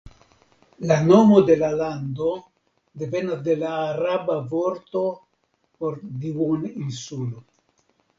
La nomo de la lando devenas de la araba vorto por duoninsulo.